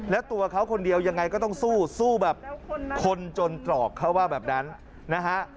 แล้วตัวเขาคนเดียวยังไงก็ต้องสู้สู้แบบคนจนตรอกเขาว่าแบบนั้นนะฮะ